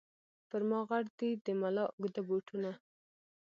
پر ما غټ دي د مُلا اوږده بوټونه